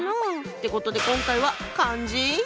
ってことで今回は「漢字」。